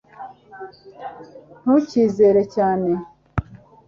ntukizere cyane